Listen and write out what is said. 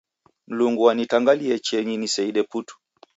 Mlungu wanitangalie chienyi niseide putu.